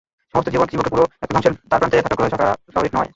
সমস্ত জীবকে পুরো একটা ধ্বংসের দ্বারপ্রান্তে থাকা গ্রহে রাখা স্বাভাবিক নয়।